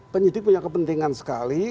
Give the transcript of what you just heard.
penyidik punya kepentingan sekali